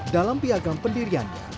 dalam piagam pendiriannya